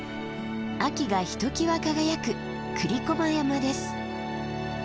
秋がひときわ輝く栗駒山です。